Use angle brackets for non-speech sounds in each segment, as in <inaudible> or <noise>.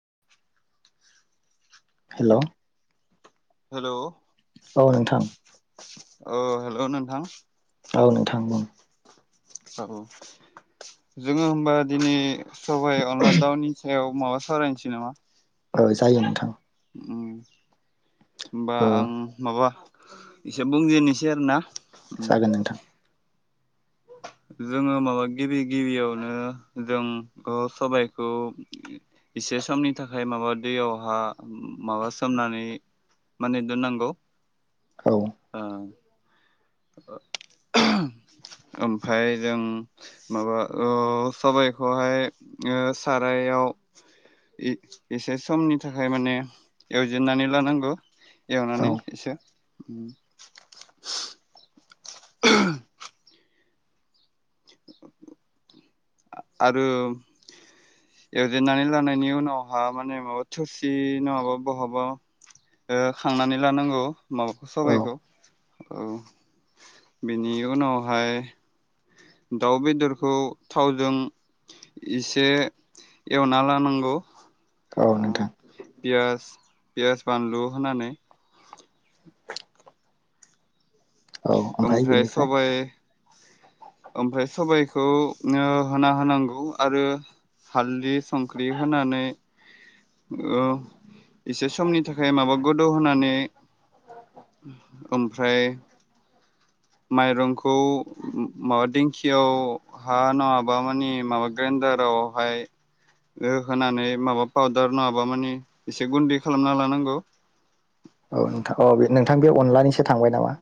<unintelligible> हेल' औ नोंथां। ओ हेल' नोंथां। औ नोंथां बुं। औ जोङो होमबा दिनै सबाइ, अनला, दाउनि सायाव माबा सावरायनोसै नामा? औ जायो नोंथां। ओम। होमबा ओ आं माबा इसे बुंजेननोसै आरो ना। उम जागोन नोंथां। जोङो माबा गिबि गिबियावनो जों ओ सबायखौ एसे समनि थाखाय माबा दैयावहा माबा सोमनानै माने दोननांगौ। औ ओ ओमफ्राय जों माबा ओ सबाइखौहाय ओ सारायाव ए एसे समनि थाखाय माने एवजेननानै लानांगौ। औ एवनानै एसे उम <inaudible> आरो एवजेननानै लानायनि उनावहा माने माबा थोरसि नङाबा बहाबा ओ खांनानै लानांगौ। माबाखौ औ सबाइखौ औ बेनि उनावहाय दाउ बेदरखौ थावजों इसे एवना लानांगौ। औ पियास पियास बानलु होनानै। औ ओमफाय ओमफ्राय बेनिफ्राय सबाय ओमफ्राय सबायखौ ओ होना होनांगौ आरो हालदै संख्रि होनानै ओ एसे समनि थाखाय माबा गोदौ होनानै ओमफ्राय माइरंखौ मा दिंखियाव हा नोङाबा मानि माबा ग्रेन्दारावहाय ओ होनानै माबा पाउदार नोङाबा मानि एसे गुन्दै खालामना लानांगौ। औ नोंथां औ बे नोंथां बे अनलानिसो थांबाय नामा?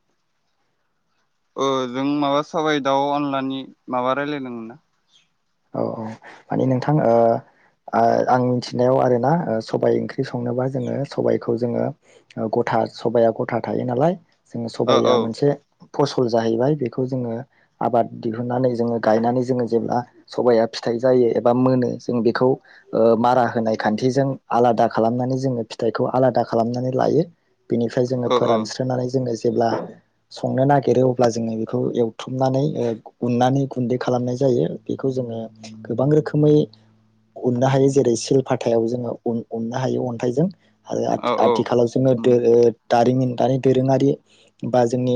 ओ जों माबा साबाय दाउ अनलानि माबा रायलायदोंमोन ना? औ औ मानि नोंथां ओ आं मिथिनायाव आरोना सबाइ ओंख्रि संनोबा जोङो सबाइखौ जोङो गथा सबाया गथा थायो नालाय। जोङो औ सबाया औ मोनसे फसल जाहैबाय बेखौ जोङो आबाद दिहुननानै जोङो गायनानै जोङो जेब्ला सबाइया फिथाइ जायो एबा मोनो जों बेखौ ओ मारा होनाय खान्थिजों आलादा खालामनानै जोङो फिथाइखौ आलादा खालामनानै लायो। बिनिफ्राय जोङो औ फोरानस्रोनानै जोङो जेब्ला संनो नागिरो अब्ला जोङो बेखौ एवथुमनानै ओ उननानै गुन्दै खालामनाय जायो। बेखौ जोङो गोबां रोखोमै उननो हायो जेरै सिल फाथायाव जोङो उन-उननो हायो अन्थाइजों। आरो औ औ आथ-आथिखालाव जोङो <unintelligible> दारिमिन दानि दोरोङारि बा जोंनि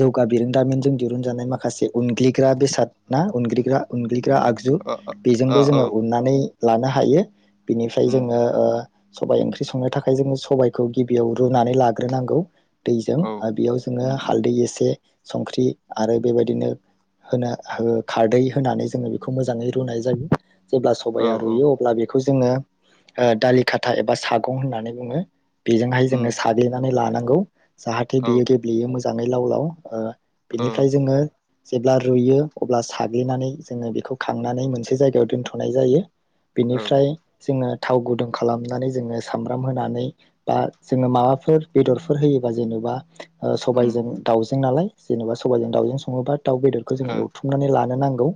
जौगा बिरोंदारिमिनजों दिरुनजानाय माखासे उनग्लिग्रा बेसाद ना उनग्रि ग्रा उनग्लि ग्रा आगजु बेजोंबो औ जोङो उननानै लानो हायो। बिनिफ्राय उम जोङो ओ सबाइ ओंख्रि संनो थाखाय जोङो सबायखौ गिबियाव रुनानै लाग्रोनांगौ। दैजों ओ औ उम औ आरो बेयाव जोङो उम हालदै एसे संख्रि आरो बेबायदिनो होनो हो खारदै होनानै जोङो बेखौ मोजाङै रुनाय जायो। जेब्ला सबाया रुयो अब्ला बेखौ खौ जोङो ओ दालि खाथा एबा सागं होननानै बुङो। बेजोंहाय उम जोङो साग्लिनानै लानां गौ जाहाथे औ बियो गेब्लेयो मो जाङै लाव लाव ओ औ उम बिनिफ्राय जोङो जेब्ला रुयो अब्ला सा ग्लिनानै जोङो बेखौ खांनानै मोनसे जायगायाव दोनथ'नाय जायो औ बेनिफ्राय जोङो थाव गुदुं खालामनानै जोङो सामब्राम होनानै बा जोङो माबाफोर बेदरफोर होयोबा जेनेबा ओ उम सबायजों दाउजों नालाय जेनेबा सबजों दाउजों सङोबा दाउ बेदरखौ जोङो ओ एवथुमनानै ला नांगौ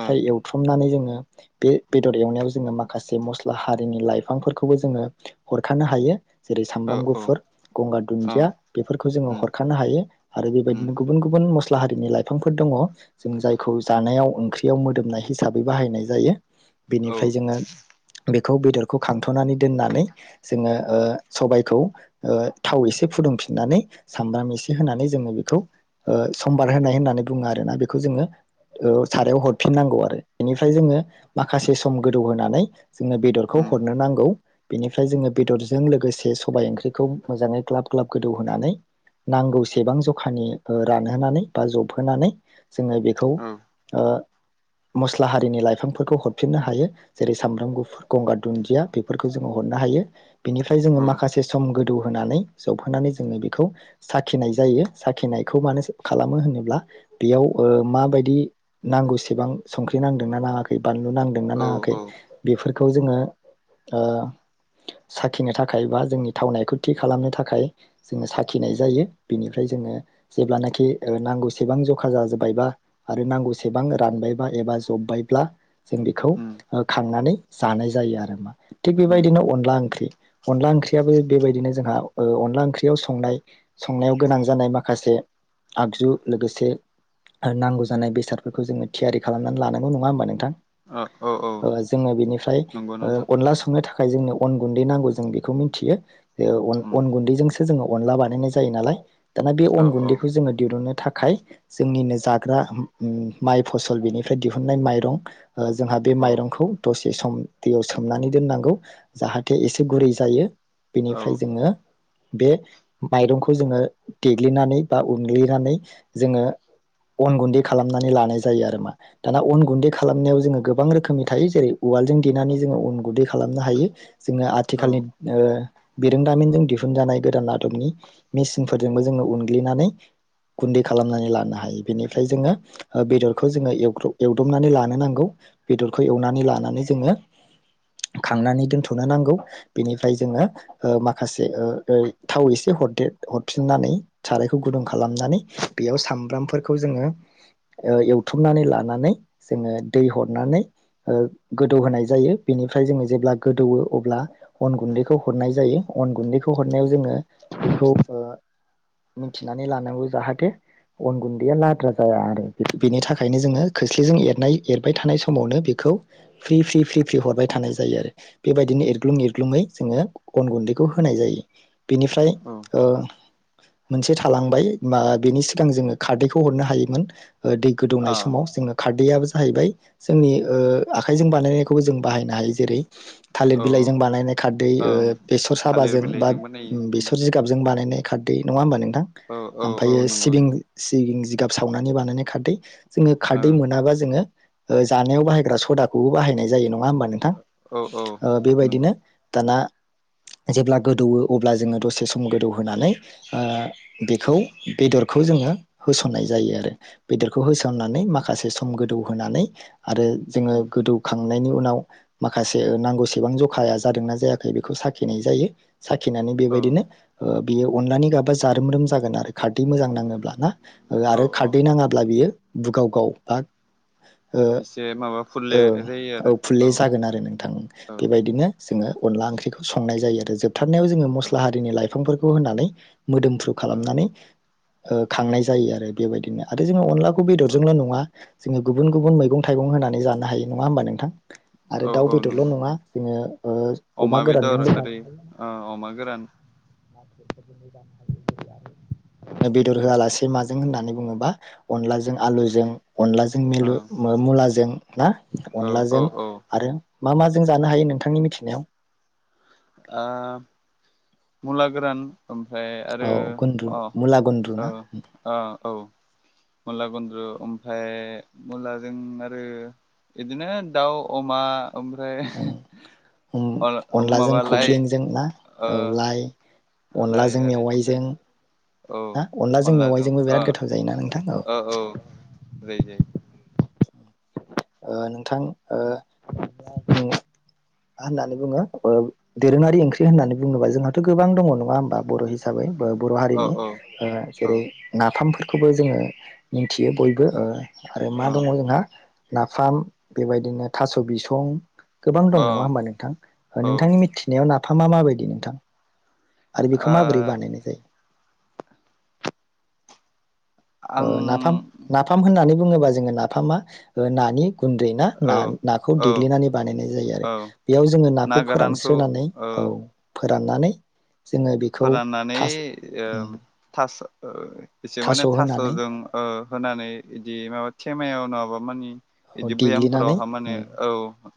ओ एवथ्रुमनानै जोङो ओ बे बेदर एवनायाव जोङो माखासे मस्ला हारिनि लाइफांफोरखौबो जोङो हरखानो हायो जेरै औ सामब्राम औ गुफुर गंगार औ दुन्दिया बेफोरखौ जोङो उम हरखनो हायो आरो उम बेबायदिनो गुबुन गुबुन मस्ला हारिनि लाइफांफोर दङ जों जाय खौ जानायाव ओंख्रियाव मोदोमनाय हिसाबै बाहायनाय जायो बेनिफ्राय जोङो बे खौ बेदरखौ खांथ'नानै दोननानै जोङो ओ सबबायखौ ओ थाव एसे फुदुंफिननानै सामब्राम एसे होनानै जोङो बेखौ ओ सम्बार होनाय होननानै बुङो आरोना बेखौ जोङो ओ सारायाव हरफिननांगौ आरो बेनिफ्राय जोङो माखासे सम गोदौ होनोनानै जोङो बेदरखौ उम हरनो नांगौ बेनिफ्राय जोङो बेदरजों लोगोसे सबाइ ओंख्रिखौ मोजाङै ग्लाब ग्लाब गोदौहोनानै नांगौसेबां जखानि ओ रानहोनानै बा जबहोनानै जोङो बे ओ औ मस्ला हारिनि लाइफांफोरखौ हरफिननो हायो जेरै सामब्राम गुफु गंगार दुन्दिया बेफोरखौ जोङो हरनो हायो बिनिफ्राय जोङो औ माखासे सम गोदौ होनानै जबहोनानै जोङो बेखौ साखिनाय जायो साखिनायखौ मानो खालामो होनोब्ला बेयाव ओ माबायदि नांगौसेबां संख्रि नांदोंना नाङाखै बानलु नांदोंना औ नाङाखै औ बेफोर खौ जोङो ओ साखिनो थाखाय बा जोंनि थावनायखौ थि खालामनो थाखाय जोङो साखिनाय जायो बेनिफ्राय जोङो जेब्लानोखि नांगौसेबां जखा जाजोब्बायबा आरो नांगौसेबां रानबायबा एबा जब्बायब्ला जों बेखौ उम ओ खांनानै जानाय जायो आरोमा थिग उम बेबादिनो अनला ओंख्रि अनला ओंख्रिआबो बेबादिनो जोंहा ओ अनला ओंख्रिआव संनायाव गोनां जानाय माखासे आगजु लोगोसे आरो नांगौ जा जानाय बेसादफोरखौ जोङो थियारि खालामनानै लानांगौ नङा होमबा नोंथां? ओ औ औ ओ जोङो बेनिफ्राय नंगौ ओ नोंथां अनला संनो थाखा य जोंनो अन गुन्दै नांगौ जों बेखौ मिथियो ओ अन उम अन गुन्दैजोंसो जोङो अनला बानायनाय जायो नालाय दाना बे अन औ औ गुन्दैखौ जोङो दिरुननो थाखाय जोंनिनो जाग्रा उम माइ फसल बेनिफ्राय दिहुनन्नाय माइरं जोंहा बे औ माइरंखौ दसे सम दैयाव सोमनानै दोननांगौ जाहाथे एसे गुरै जायो औ बेनिफ्राय जोङो बे माइरंखौ जोङो देग्लिनानै बा उनग्लिनानै जोङो अन गुन्दै खालामनानै लानाय जायो आरो मा दाना अन गुन्दै खालामनायाव जोङो गोबां रोखोमनि थायो जेरै उवालजों देनानै जोङो अन गुन्दै खालामनो हायो जोङो आथिखालनि ओ बिरोंदामिनजों दिहुनजानाय गोदान आदबनि मेसिनफोरजोंबो जोङो उनग्लिनानै गुन्दै खालामनानै लानो हायो बेनिफ्राय जोङो बेदरखौ जोङो एवदबनानै लानो नांगौ बेदरखौ एवनानै लानानै जोङो खांनानै दोनथ'नो नांगौ बेनिफ्राय जोङो माखासे ओ ओ थाव एसे हरदेर हरफिननानै सारायखौ गुदुं खालामनानै बेयाव सामब्रामफोरखौ जोङो ओ एवथुमनानै लानानै जोङो दै हरनानै ओ गोदौहोनाय जायो बेनिफ्राय जोङो जेब्ला गोदौवो अब्ला अन गुन्दैखौ हरनाय जायो अन गुन्दैखौ हरनायाव जोङो बेखौ ओ मिथिनानै लानांगौ जाहाथे अन गुन्दैया लाद्रा जाया आरो। बेनि थाखायनो जोङो खोस्लिजों एरनाय एरबाय थानाय समावनो बेखौ फ्रि फ्रि फ्रि फ्रि हरबाय थानाय जायो आरो बेबायदिनो एरग्लुं एरग्लुङै जोङो अन गुन्दैखौ होनाय जायो। बेनिफ्राय औ ओ मोनसे थालांबाय बा बेनि सिगां जोङो खारदैखौ हरनो हायोमोन। ओ दै गोदौनाय आ समाव जोङो खारदैयाबो जाहैबाय जोंनि ओ आखाइजों बानायनायखौबो जों बाहायनो हायो जेरै थालिर औ बिलाइजों बानायनाय खारदै ओ ओं बेसर थालिर साबाजों बा बिलाइजों बानायो उम बेसर जिगाबजों बानायनाय खारदै नङा होमबा नों औ औ औ ओमफ्रायो नंगौ सिबिं सिबिं जिगाब सावनानै बानायनाय खारदै। जोङो औ खारदै मोनाबा जोङो ओ जानायाव बाहायग्रा सदाखौबो बाहायनाय जायो नङा। नोङा होनबा नोंथां औ औ ओ नंगौ बेबायदिनो दाना जेब्ला गोदौओ अब्ला जोङो दसे सम गोदौहोनानै ओ बेखौ बेदरखौ जोङो होसननाय जायो आरो। बेदरखौ होसननानै माखासे सम गोदौ होनानै आरो जोङो उम गोदौखां खांनायनि उनाव माखासे नांगौसेबां जखाया जादोंना जायाखै बेखौ साखिनाय जायो। साखिनानै औ बेबायदिनो ओ बेयो अनलानि गाबा जारोमरोम जागोन आरो। खारदै मोजां नांङोबा ना औ आरो औ खारदै नाङाबा बेयो बुगाव गाव बा ओ इसे माबा औ फुरले जायो औ आरो फुरले जागोन आरो नोंथां औ बेबायदिनो जोङो अनला ओंख्रिखौ संनाय जायो आरो जोब हथारनायाव जोंङो औ मस्ला हारिनि लायो। बिफांफोरखौ होनानै मोदोमफ्रु औ खालामनानै ओ खांनाय जायो आरो बेबायदिनो आरो जोङो अनला बेदरजोंल नङा जोङो गुबुन गुबुन मैगं थाइगं होनानै जानो हायो नङा होमबा नोंथां <inaudible> आरो औ औ दाउ औ बेदरल' नंगौ नङा जोङो ओ अमा बेदर गोरानजोंबो आरि ओ अमा गोरान बेदर होआलासे माजों होननानै बुङोबा अनलाजों आलुजों अनलाजों औ मिलु मुलाजों ना औ औ अनलाजों औ आरो मा माजों जानो हायो नोंथांनि मिथिनायाव आ मुला गोरान ओमफ्राय औ आरो गुन्द्रु अ मुला गुन्द्रु औ ना औ औ मुला गन्द्रु ओमफाय मुलाजों आरो बिदिनो दाउ अमा ओमफ्राय अ नलाजों खख्लिंजों ना औ लाइ लाइ अनलाजों आरो मेवाइजों बिदिनो औ ना अनलाजों मेवाइजोंबो ओ बिराद गोथाव जायोना नोंथां ओ औ जायो जायो ओ नोंथां ओ मा होननानै बुङो ओ दोरोंङारि ओंख्रि होननानै बुङोबा जोंहाथ गोबां दङ नङा होमबा बर' हिसाबै बर औ हारिनि औ ओ औ जेरै नाफामफोर खौबो जोङो मिथियो बयबो ओ आरो मा औ दङ जोंहा नाफाम बेबायदिनो थास बिसं गोबां औ दं नङा होमबा नोंथां ओ नोंथांनि मिथिनायाव ना फामा मााबायदि नोंथां आरो बेखौ माबोरै आं बानायनाय जायो ओ नाफाम नाफाम होननानै बुङोबा जोङो नाफामा नानि गुन्दै ना औ ना नाखौ औ देग्लिनानै बानायनाय जायो आरो औ बेयाव जोङो ना नाखौ गोरानखौ फोरानस्रोनानै औ फोराननानै जोङो बेखौ फोराननानै थास ओ उम थास' ओ एसे थास' माने होनानै थास'जों ओ होनानै बिदि माबा खेमायाव नङाबा मानि बिदि देग्लिनानै भैयामफोरावहा माने उम औ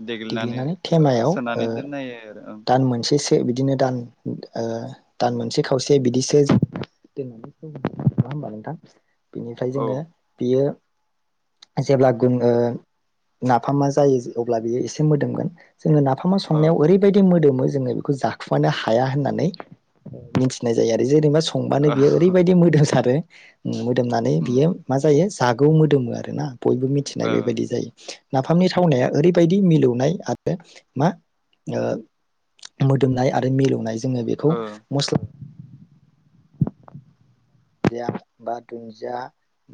देग्लिनानै थेमायाव ओ सोनानै दोननायो दान मोनसेसो बिदिनो दान ओ दान मोनसे खावसे बिदिसो दोननानै नङा होमबा नोंथां बिनिफ्राय ओं जोङो बियो जेब्ला गुन ओ नाफामा जायो अब्ला बियो एसे मोदोमगोन जोङो नाफामा औ संनायाव ओरै मोदोमो जोङो बेखौ जाखोमानो हाया होननानै मिथिनाय जायो आरो जेरै बा स संबानो औ बियो ओरैबायदि मोदोमसारो ओम मो दोमनानै उम बियो मा जायो जागौ मोदोमो आरो आरोना बयबो मिथिनाय ओ बेबायदि जायो नाफामनि थावनाया ओरैबायदि मिलौनाय आरो मा ओ मोदोमनाय आरो मिलु नाय जोङो बेखौ ओ मस्ला जाम बा दुन्दिया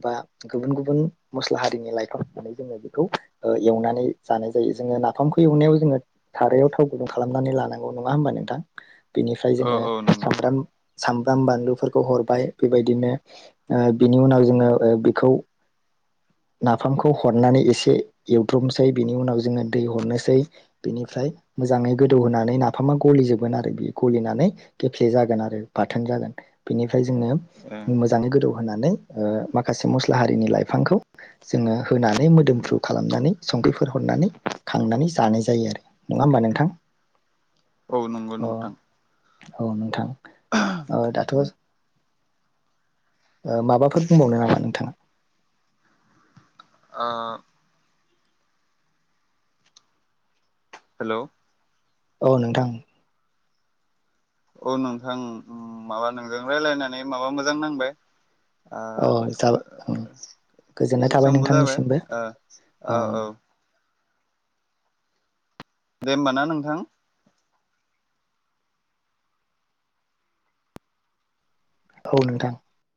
बा गुबुन गुबुन मस्ला हारिनि लाइफां होनानै जोङो बेखौ ओ एवनानै जानाय जायो जोङो नाफामखौ एवनायाव जोङो सारायाव थाव गुदुं खालामनानै लानांगौ नङा होमबा नोंथां? बिनिफ्राय औ जोङो औ नंगौ सामब्राम सामब्राम बानलुफोरखौ हरबाय बेबायदिनो ओ बिनि उनाव जोङो ओ बेखौ नाफामखौ हरनानै एसे एवद्रबनोसै बिनि उनाव जोङो दै हरनोसै बिनिफ्राय मोजाङै गोदौहोनानै नाफामा गलिजोबगोन आरो बे गलिनानै गेफ्ले जागोन आरो बा थोन जागोन बेनिफ्राय जोंनो मोजाङै गोदौ होनानै ओ माखासे मस्ला हारिनि लाइफांखौ जोङो होनानै मोदोमफ्रु खालामनानै संख्रिफोर हरनानै खांनानै जानाय जायो आरो नङा होमबा नोंथां? औ नंगौ अ नोंथां औ नोंथां औ दाथ' ओ माबाफोर बुंबावनो नामा नोंथाङा? ओ हेलौ औ नोंथां औ नोंथां माबा नोंजों रायलायनानै माबा मोजां नांबाय ओ अ जाबाय गोजोननाय एसे थाबाय समबो जाबाय नोंथांनिसिमबो ओ औ दे होमबा ना नोंथां औ नोंथां